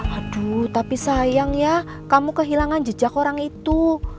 aduh tapi sayang ya kamu kehilangan jejak orang itu